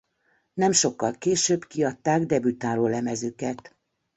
Nem sokkal később kiadták debütáló lemezüket.